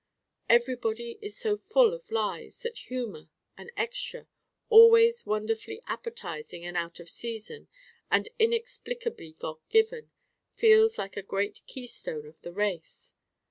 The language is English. Everybody is so full of lies that humor, an 'extra,' always wonderfully appetizing and out of season, and inexplicably God given, feels like a great keystone of the race.